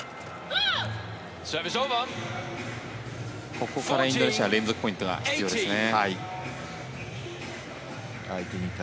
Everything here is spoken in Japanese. ここからインドネシア連続ポイントが必要ですね。